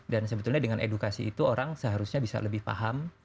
dan sebetulnya dengan edukasi itu orang seharusnya bisa lebih paham